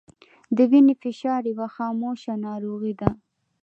د وینې فشار یوه خاموشه ناروغي ده